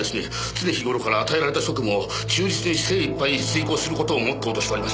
常日頃から与えられた職務を忠実に精一杯遂行する事をモットーとしておりまして